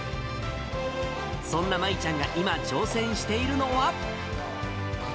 そんな真依ちゃんが今、挑戦しているのは。